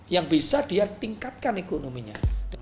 yang bisa dia tingkatkan ekonominya